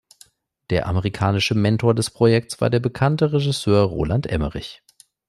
Der amerikanische Mentor des Projektes war der bekannte Regisseur Roland Emmerich.